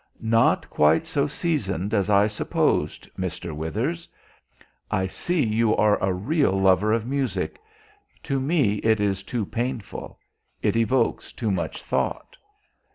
"Not quite so seasoned as I supposed, Mr. Withers. I see you are a real lover of music. To me it is too painful. It evokes too much thought...."